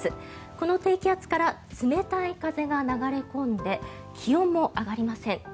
この低気圧から冷たい風が流れ込んで気温も上がりません。